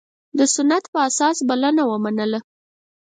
د سنت په اساس بلنه ومنله.